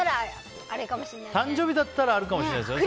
誕生日だったらあるかもしれないね。